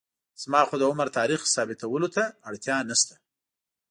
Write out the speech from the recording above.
زما خو د عمر تاریخ ثابتولو ته اړتیا نشته.